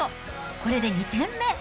これで２点目。